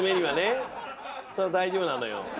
それは大丈夫なのよ。